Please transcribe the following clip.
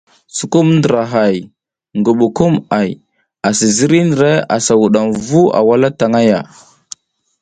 Sukumung ndrahay, ngubukumʼay a ziriy ndra asa wudam vu a wala tang ya.